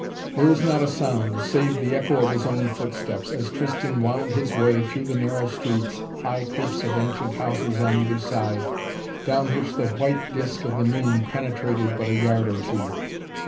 There was not a sound, save the echo of his own footsteps, as Tristan wound his way through the narrow streets, high cliffs of ancient houses on either side, down which the white disk of the moon penetrated but a yard or two.